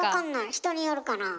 人によるかなあ。